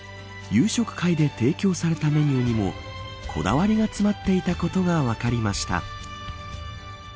夕食会で提供されたメニューにもこだわりが詰まっていたことが分かりました。